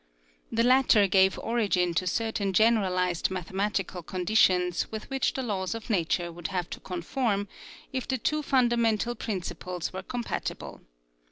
The latter gave origin to certain gen eralized mathematical conditions with which the laws of nature would have to conform if the two fundamental principles were com patible.